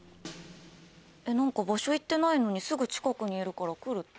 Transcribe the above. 何か場所言ってないのにすぐ近くにいるから来るって。